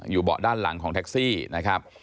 เบาะด้านหลังของแท็กซี่นะครับ